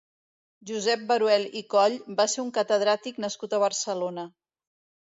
Josep Baruel i Coll va ser un catedràtic nascut a Barcelona.